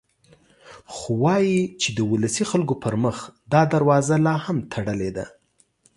خو وايي چې د ولسي خلکو پر مخ دا دروازه لا هم تړلې ده.